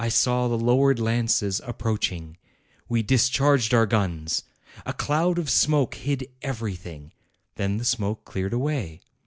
I saw the lowered lances approach ing; we discharged our guns; a cloud of smoke hid everything. Then the smoke cleared away.